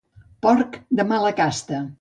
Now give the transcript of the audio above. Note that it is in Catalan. Porc de mala casta.